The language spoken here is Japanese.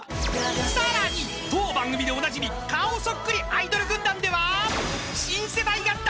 ［さらに当番組でおなじみ顔そっくりアイドル軍団では］